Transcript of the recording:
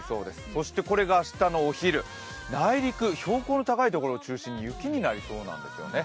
そして、これが明日のお昼内陸、標高の高いところを中心に雪になりそうなんですよね。